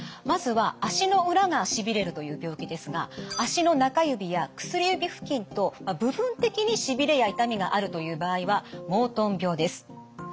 まずは足の裏がしびれるという病気ですが足の中指や薬指付近と部分的にしびれや痛みがあるという場合はモートン病です。